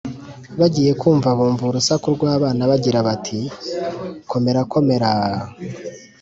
bagiye kumva bumva urusaku rw’abana bagira bati: “komerakomeraaa,